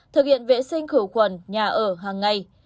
thực hiện vệ sinh khử khuẩn nhà ở hàng ngày